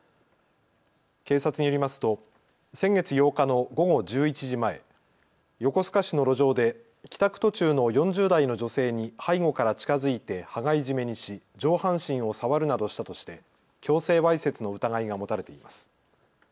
警察によりますと先月８日の午後１１時前、横須賀市の路上で帰宅途中の４０代の女性に背後から近づいて羽交い締めにし上半身を触るなどしたとして強制わいせつの疑いが持たれています。